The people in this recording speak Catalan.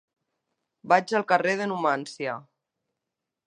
Vaig al carrer de Numància.